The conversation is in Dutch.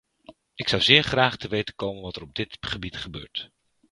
Ik zou zeer graag te weten komen wat er op dit gebied gebeurt.